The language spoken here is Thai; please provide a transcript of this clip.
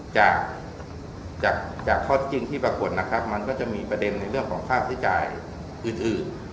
จากจากข้อที่จริงที่ปรากฏนะครับมันก็จะมีประเด็นในเรื่องของค่าใช้จ่ายอื่น